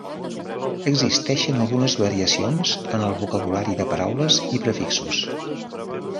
Existeixen algunes variacions en el vocabulari de paraules i prefixos.